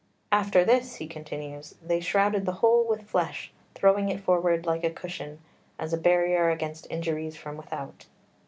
"After this," he continues, "they shrouded the whole with flesh, throwing it forward, like a cushion, as a barrier against injuries from without."